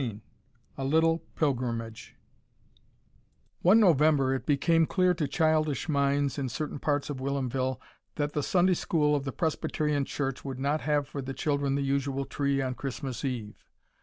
XIII A LITTLE PILGRIMAGE One November it became clear to childish minds in certain parts of Whilomville that the Sunday school of the Presbyterian church would not have for the children the usual tree on Christmas eve.